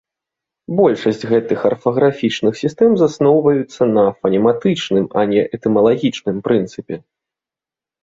Большасць гэтых арфаграфічных сістэм засноўваюцца на фанематычным, а не этымалагічным прынцыпе.